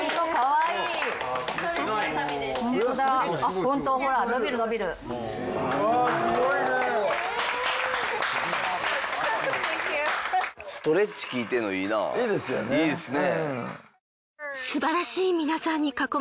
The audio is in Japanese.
いいですよね。